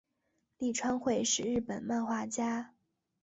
立川惠是日本漫画家。